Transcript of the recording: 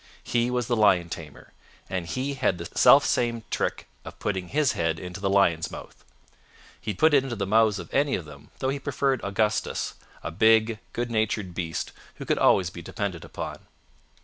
He was the lion tamer, and he had the self same trick of putting his head into the lion's mouth. He'd put it into the mouths of any of them, though he preferred Augustus, a big, good natured beast who could always be depended upon.